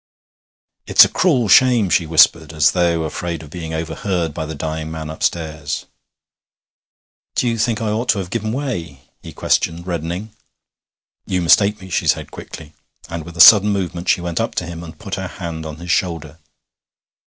'It's a cruel shame!' she whispered, as though afraid of being overheard by the dying man upstairs. 'Do you think I ought to have given way?' he questioned, reddening. 'You mistake me,' she said quickly; and with a sudden movement she went up to him and put her hand on his shoulder.